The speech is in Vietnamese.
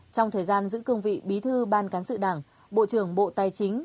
trong thời gian giữ cương vị bí thư ban cán sự đảng bộ trưởng bộ tài chính